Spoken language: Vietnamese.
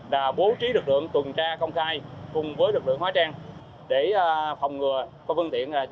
là bố trí lực lượng tuần tra công khai cùng với lực lượng hóa trang để phòng ngừa con vân tiện